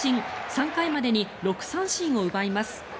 ３回までに６三振を奪います。